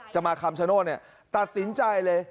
จะมาคัมชะโน่นตัดสินใจเลย